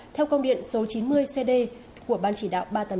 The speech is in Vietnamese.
theo công điện số chín mươi cd của ban chỉ đạo ba trăm tám mươi chín quốc gia